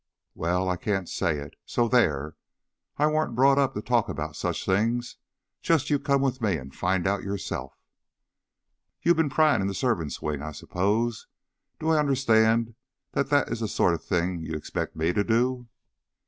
"Well I can't say it. So there! I warn't brought up to talk about sech things. Just you come with me and find out for yourself." "You have been prying in the servants' wing, I suppose. Do I understand that that is the sort of thing you expect me to do?"